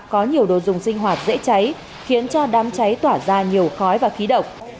có nhiều đồ dùng sinh hoạt dễ cháy khiến cho đám cháy tỏa ra nhiều khói và khí độc